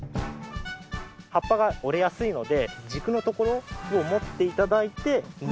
葉っぱが折れやすいので軸のところを持って頂いて抜いてください。